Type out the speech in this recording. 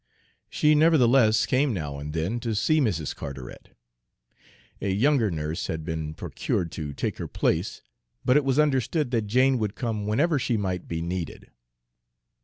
She nevertheless came now and then to see Mrs. Carteret. A younger nurse had been procured to take her place, but it was understood that Jane would come whenever she might be needed.